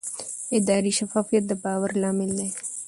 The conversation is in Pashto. اداري شفافیت د باور لامل دی